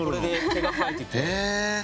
毛が生えてて。